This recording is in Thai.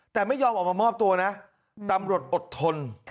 แต่ไม่ยอมออกมามอบตัวนะตำรวจอดทน